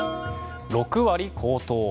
６割高騰。